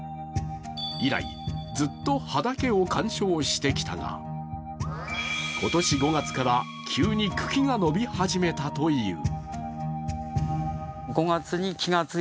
以来、ずっと葉だけを観賞してきたが、今年５月から急に茎が伸び始めたという。